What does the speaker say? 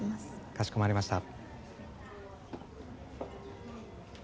かしこまりました。